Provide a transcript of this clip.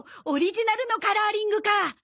オリジナルのカラーリングか。